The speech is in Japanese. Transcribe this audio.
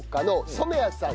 染谷さん